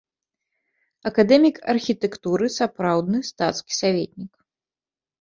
Акадэмік архітэктуры, сапраўдны стацкі саветнік.